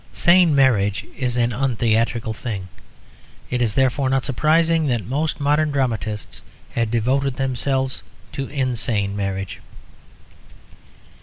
Sane marriage is an untheatrical thing; it is therefore not surprising that most modern dramatists have devoted themselves to insane marriage.